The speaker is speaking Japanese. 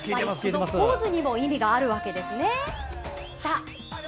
ポーズにも意味があるわけですね。